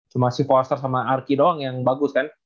cuma si polster sama arki doang yang bagus kan